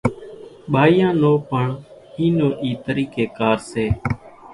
ٻايان نو پڻ اِي نو اِي طريقي ڪار سي